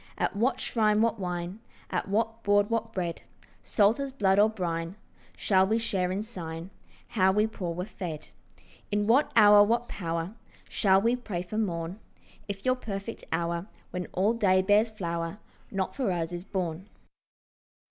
At what shrine what wine, At what board what bread, Salt as blood or brine, Shall we share in sign How we poor were fed? In what hour what power Shall we pray for morn, If your perfect hour, When all day bears flower, Not for us is born?